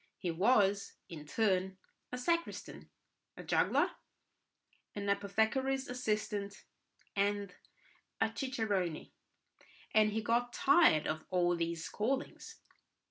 He was, in turn, a sacristan, a juggler, an apothecary's assistant, and a cicerone, and he got tired of all these callings.